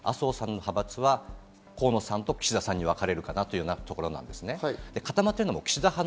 麻生さんの派閥は河野さんと岸田さんに分かれるかなというところです。